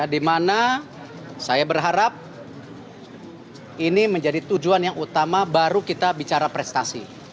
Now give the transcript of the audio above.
di mana saya berharap ini menjadi tujuan yang utama baru kita bicara prestasi